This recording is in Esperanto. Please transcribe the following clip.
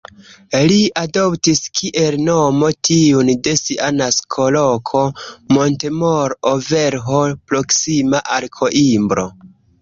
Li adoptis kiel nomo tiun de sia naskoloko, Montemor-o-Velho, proksima al Koimbro.